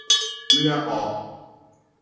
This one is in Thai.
เรือออก